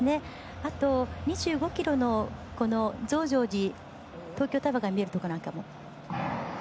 あと、２５ｋｍの増上寺東京タワーが見えるところなんかも。